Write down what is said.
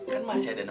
kan masih ada nonila